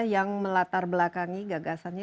yang melatar belakangi gagasannya